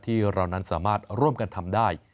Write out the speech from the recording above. ที่เรานั้นสามารถร่วมกันทำได้